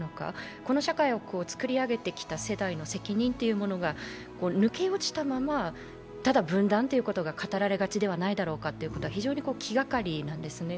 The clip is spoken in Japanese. この社会を作り上げてきた世代の責任が抜け落ちたまま、ただ分断ということが語られがちではないだろうかということが非常に気がかりなんですね。